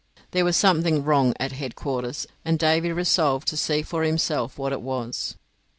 There was something wrong at headquarters, and Davy resolved to see for himself what it was.